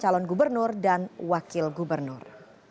calon gubernur dan wakil gubernur